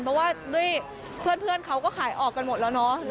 เพราะว่าด้วยเพื่อนเขาก็ขายออกกันหมดแล้วเนาะ